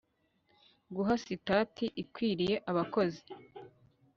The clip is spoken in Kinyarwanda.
guha sitati ikwiriye abakozi